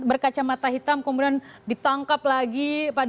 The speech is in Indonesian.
berkaca mata hitam kemudian ditangkap lagi